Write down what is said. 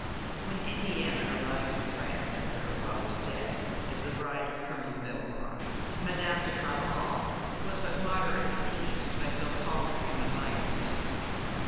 When Indiana arrived in France after her father's death, as the bride of Colonel Delmare, Madame de Carvajal was but moderately pleased by so paltry an alliance.